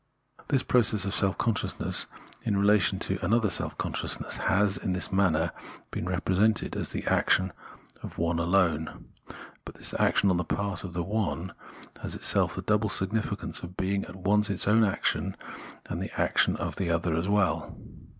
This process of self consciousness in relation to another self consciousness has in this manner been represented as the action of one alone. But this action Independence of Self Consciousness 111 on the part of the one has its'ilf the double significance of being at once its own actir n and the action of that other as well.